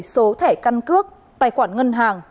số thẻ căn cước tài khoản ngân hàng